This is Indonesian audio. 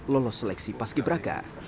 lolos seleksi paski beraka